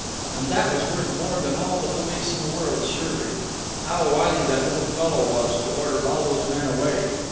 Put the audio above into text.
And that was worth more than all the police in the world, surely. How wily that little fellow was to order all those men away.